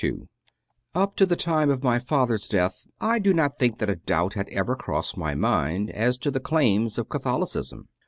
n Up to the time of my father s death I do not think that a doubt had ever crossed my mind as to the claims of Catholicism.